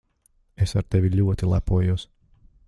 Es ar tevi ļoti lepojos.